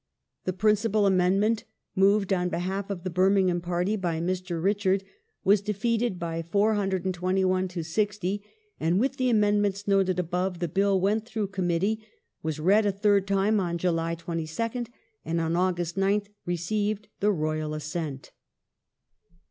The principal amend ment moved, on behalf of the Birmingham party, by Mr. Richard was defeated by 421 to 60, and, with the amendments noted above, the Bill went through Committee, was read a third time on July 22nd, and on August 9th received the Royal assent.